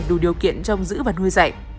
đủ điều kiện trong giữ và nuôi dạy